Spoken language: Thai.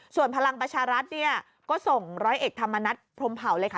ส่วนพลังประชารัฐเนี่ยก็ส่งร้อยเอกธรรมนัฐพรมเผาเลยค่ะ